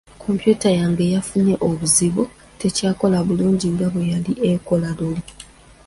Kompyuta yange yafunye obuzibu tekyakola bulungi nga bwe yali ekola luli.